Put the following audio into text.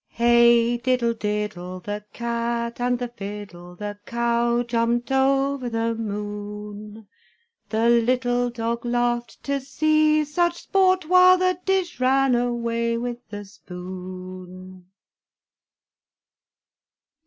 Hey! diddle diddle, The cat and the fiddle, The cow jumped over the moon; The little dog laughed To see such sport, While the dish ran away with the spoon.